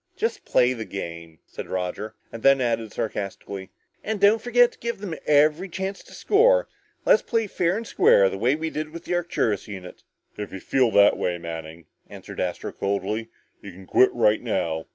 "Just play the game," said Roger. And then added sarcastically, "And don't forget to give them every chance to score. Let's play fair and square, the way we did with the Arcturus unit." "If you feel that way, Manning," answered Astro coldly, "you can quit right now!